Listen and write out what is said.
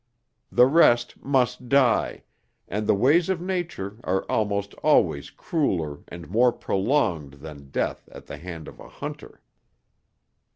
The rest must die, and the ways of nature are almost always crueler and more prolonged than death at the hand of a hunter.